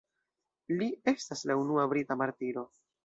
Li estas la unua brita martiro.